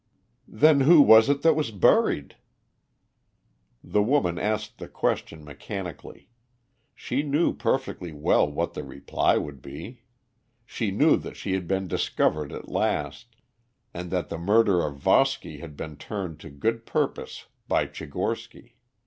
"Then who was it that was buried?" The woman asked the question mechanically. She knew perfectly well what the reply would be; she knew that she had been discovered at last, and that the murder of Voski had been turned to good purpose by Tchigorsky.